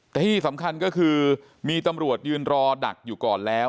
แต่ที่สำคัญก็คือมีตำรวจยืนรอดักอยู่ก่อนแล้ว